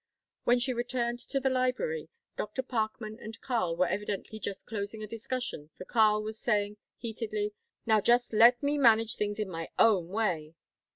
When she returned to the library, Dr. Parkman and Karl were evidently just closing a discussion for Karl was saying, heatedly: "Now just let me manage things in my own way!"